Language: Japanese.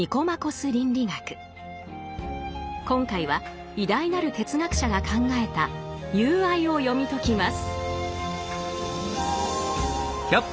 今回は偉大なる哲学者が考えた「友愛」を読み解きます。